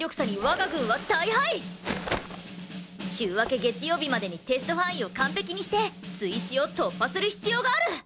週明け月曜日までにテスト範囲を完璧にして追試を突破する必要がある！